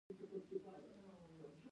نورو مرغیو د هغې خبره ونه منله.